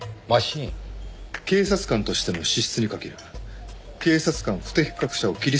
警察官としての資質に欠ける警察官不適格者を切り捨てるマシンです。